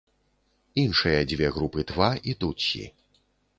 Іншыя дзве групы тва і тутсі.